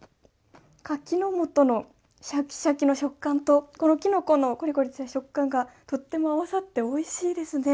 かきのもとのシャキシャキの食感とこのきのこのコリコリした食感がとっても合わさっておいしいですね。